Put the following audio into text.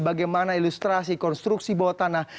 bagaimana ilustrasi konstruksi bawah tanah